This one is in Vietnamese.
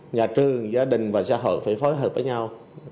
nhà trường gia đình và xã hội phải phối hợp với nhau